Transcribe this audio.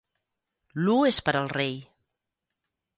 L'u és per al rei.